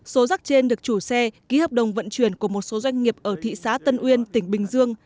số rác trên được chủ xe ký hợp đồng vận chuyển của một số doanh nghiệp ở thị xã tân uyên tỉnh bình dương